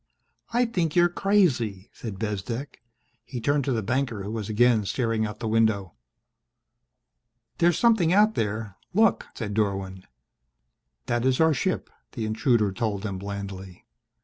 "I think you're crazy!" said Bezdek. He turned to the banker, who was again staring out the window. "There's something out there look," said Dorwin. "That is our ship," the intruder told them blandly.